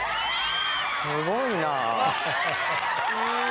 すごいなぁ。